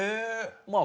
まあ